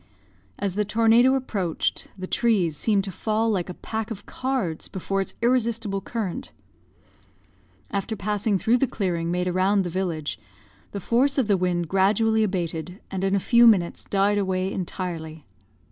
"As the tornado approached, the trees seemed to fall like a pack of cards before its irresistible current. After passing through the clearing made around the village, the force of the wind gradually abated, and in a few minutes died away entirely.